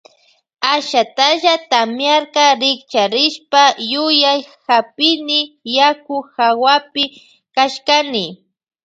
Ashatalla tamiarka rikcharishpa yuyay hapini yaku hawapi kashkani.